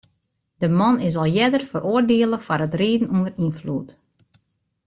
De man is al earder feroardiele foar it riden ûnder ynfloed.